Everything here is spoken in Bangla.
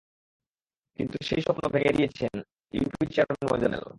কিন্তু সেই স্বপ্ন ভেঙে দিয়েছেন ইউপি চেয়ারম্যান মোজাম্মেল।